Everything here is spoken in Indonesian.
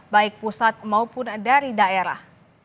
baik pusat maupun dari daerah